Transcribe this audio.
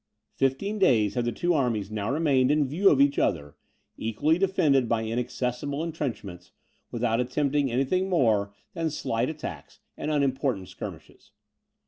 Fifteen days had the two armies now remained in view of each other, equally defended by inaccessible entrenchments, without attempting anything more than slight attacks and unimportant skirmishes.